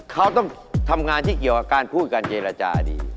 เขาต้องทำงานที่เกี่ยวกับการพูดการเจรจาดี